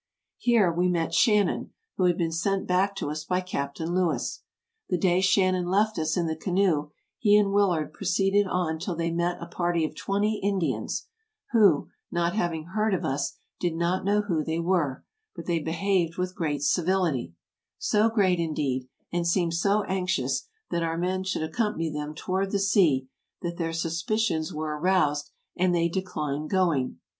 Here we met Shannon, who had been sent back to us by Captain Lewis. The day Shannon left us in the canoe, he and Willard proceeded on till they met a party of twenty Indians, who, not having heard of us, did not know who they were; but they behaved with great civility — so great, indeed, and seemed so anxious that our men should accompany them toward the sea, that their suspicions were aroused, and they declined going.